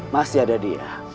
masih ada dia